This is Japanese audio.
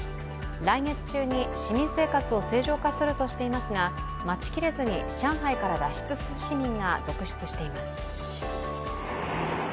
来月中に市民生活を正常化するとしていますが、待ちきれずに、上海から脱出する市民が続出しています。